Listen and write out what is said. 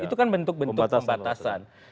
itu kan bentuk bentuk pembatasan